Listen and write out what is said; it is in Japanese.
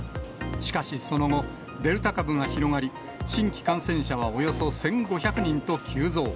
しかしその後、デルタ株が広がり、新規感染者はおよそ１５００人と急増。